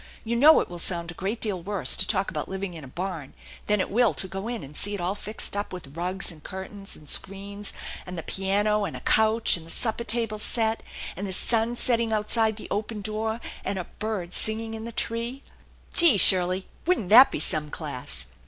You know it will sound a great deal worse to talk about living in a barn than it will to go in and see it all fixed up with rugs and curtains and screens and the piano and a couch, and the supper table set, and the sun setting outside the open door, and a bird singing in the tree." " Gee ! Shirley, wouldn't that be some class